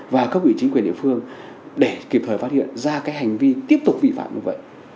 và cấp ủy chính quyền địa phương để kịp thời phát hiện ra cái hành vi tiếp tục vi phạm như vậy